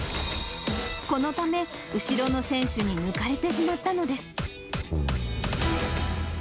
このため、後ろの選手に抜かれてしまったのです。